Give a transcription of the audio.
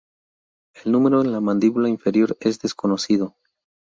El número en la mandíbula inferior es desconocido.